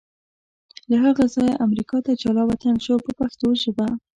له هغه ځایه امریکا ته جلا وطن شو په پښتو ژبه.